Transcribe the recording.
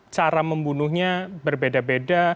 cara membunuhnya berbeda beda